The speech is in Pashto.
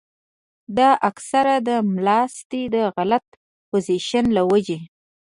دا اکثر د ملاستې د غلط پوزيشن له وجې